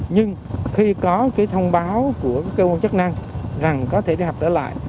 nhưng khi có cái thông báo của cơ quan chất năng rằng có thể đi học đó lại